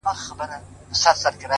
ه زه تر دې کلامه پوري پاته نه سوم;